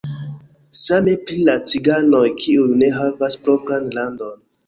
Same pri la ciganoj, kiuj ne havas propran landon.